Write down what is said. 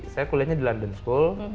saya kuliahnya di london school